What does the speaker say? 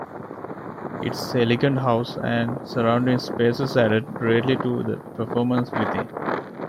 Its elegant house and surrounding spaces added greatly to the performances within.